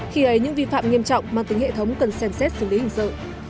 khi ấy những vi phạm nghiêm trọng mang tính hệ thống cần xem xét xử lý hình sự